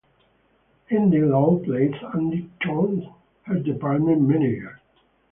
Andy Lau plays Andy Cheung, her department manager.